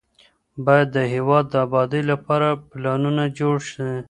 باید د هیواد د ابادۍ لپاره پلانونه جوړ سي.